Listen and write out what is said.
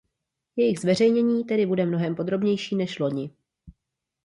Jejich zveřejnění tedy bude mnohem podrobnější než loni.